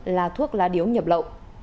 là thuốc lá điếu nhập lộ